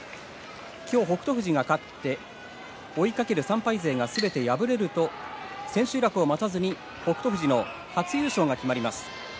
今日、北勝富士が勝って追いかける３敗勢がすべて敗れると千秋楽を待たずに北勝富士の初優勝が決まります。